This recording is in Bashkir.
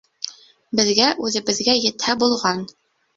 Беҙгә үҙебеҙгә етһә булған.